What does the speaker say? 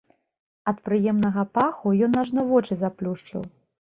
Ад прыемнага паху ён ажно вочы заплюшчыў.